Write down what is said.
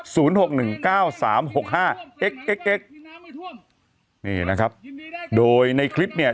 หกหนึ่งเก้าสามหกห้าเอ็กเอ็กเอ็กซ์นี่นะครับโดยในคลิปเนี่ย